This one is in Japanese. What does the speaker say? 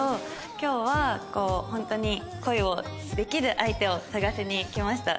今日は本当に恋をできる相手を探しに来ました。